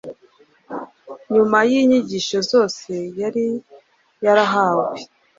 nyuma y’inyigisho zose yari yarahawe,